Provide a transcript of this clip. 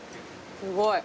すごい。